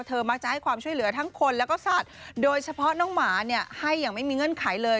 มักจะให้ความช่วยเหลือทั้งคนแล้วก็สัตว์โดยเฉพาะน้องหมาเนี่ยให้อย่างไม่มีเงื่อนไขเลย